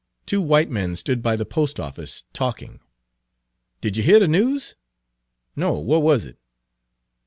Two white men stood by the post office talking. "Did yer hear the news?" "No, what wuz it?"